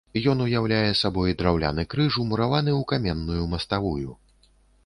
Ён уяўляе сабой драўляны крыж умураваны ў каменную маставую.